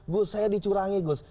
gus saya dicurangi gus